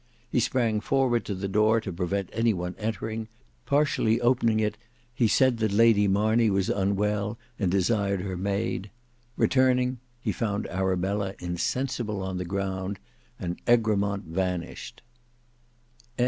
He sprang forward to the door to prevent any one entering; partially opening it, he said Lady Marney was unwell and desired her maid; returning, he found Arabella insensible on the ground, and Egremont vanished!